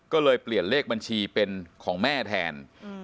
ก็เลยเปลี่ยนเลขบัญชีเป็นของแม่แทน